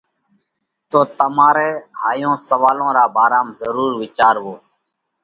تو تمارئہ ھائيون سوئالون را ڀارام ضرور وِيچاروو۔